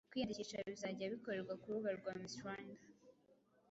Kwiyandikisha bizajya bikorerwa ku rubuga rwa Miss Rwanda